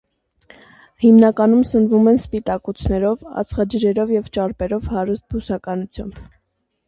Հիմնականում սնվում են սպիտակուցներով, ածխաջրով և ճարպերով հարուստ բուսականությամբ։